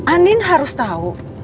andin harus tahu